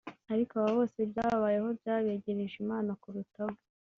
ariko aba bose byabayeho byabegereje Imana kurutaho